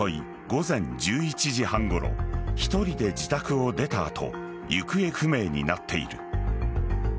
午前１１時半ごろ１人で自宅を出た後行方不明になっている。